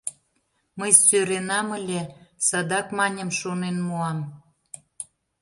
— Мый сӧренам ыле, садак, маньым, шонен муам!